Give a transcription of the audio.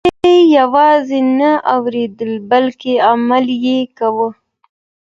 هغې یوازې نه اورېدل بلکه عمل یې کاوه.